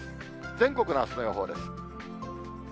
全国のあすの予報です。